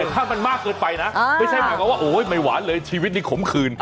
ถ้ามันมากเกินไปนะไม่ใช่หมายความว่าโอ๊ยไม่หวานเลยชีวิตนี้ขมคืน